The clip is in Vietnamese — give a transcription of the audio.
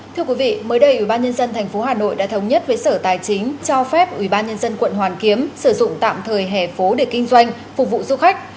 thưa quý vị mới đây ubnd tp hà nội đã thống nhất với sở tài chính cho phép ubnd quận hoàn kiếm sử dụng tạm thời hẻ phố để kinh doanh phục vụ du khách